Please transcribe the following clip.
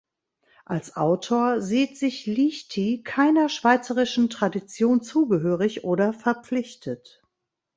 Als Autor sieht sich Liechti keiner schweizerischen Tradition zugehörig oder verpflichtet.